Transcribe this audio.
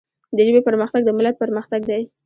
د ژبي پرمختګ د ملت پرمختګ دی.